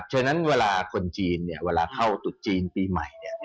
ฉะนั้นเวลาคนจีนเวลาเข้าตุดจีนปีใหม่